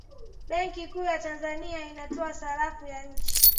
benki kuu ya tanzania inatoa sarafu ya nchi